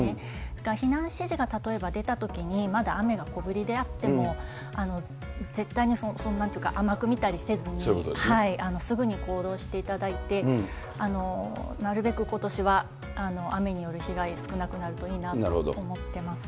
だから避難指示が例えば出たときに、まだ雨が小降りであっても、絶対に甘く見たりせずに、すぐに行動していただいて、なるべくことしは雨による被害、少なくなるといいなというふうに思っています。